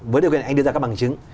với điều kiện anh đưa ra các bằng chứng